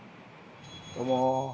どうもー。